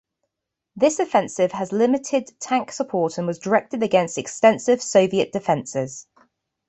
This offensive had limited tank support and was directed against extensive Soviet defenses.